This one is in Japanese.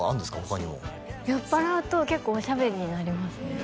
他にも酔っぱらうと結構おしゃべりになりますね